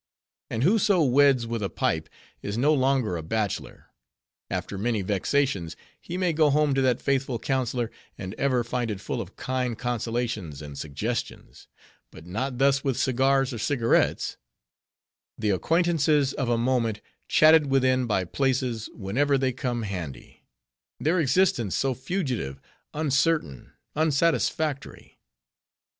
And whoso weds with a pipe, is no longer a bachelor. After many vexations, he may go home to that faithful counselor, and ever find it full of kind consolations and suggestions. But not thus with cigars or cigarrets: the acquaintances of a moment, chatted with in by places, whenever they come handy; their existence so fugitive, uncertain, unsatisfactory.